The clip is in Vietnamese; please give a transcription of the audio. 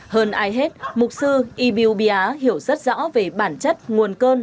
hơn ai hết mục sư ibiubia hiểu rất rõ về bản chất nguồn cơn